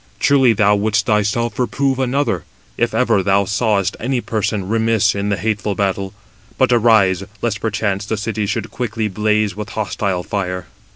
Truly thou wouldst thyself reprove another, if ever thou sawest any person remiss in the hateful battle. But arise, lest perchance the city should quickly blaze with hostile fire."